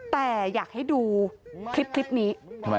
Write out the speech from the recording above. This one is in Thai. แต่อยากให้ดูคลิปนี้